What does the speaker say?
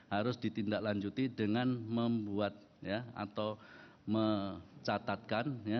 harus ditindaklanjuti dengan membuat atau mencatatkan